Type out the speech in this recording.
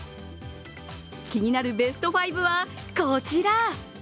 気になるベスト５はこちら。